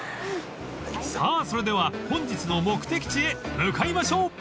［さあそれでは本日の目的地へ向かいましょう］